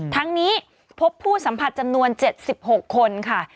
ทั้งนี้พบผู้สัมผัสจำนวน๗๖คนค่ะ